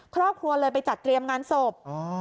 ครอบครัวเลยไปจัดเตรียมงานศพ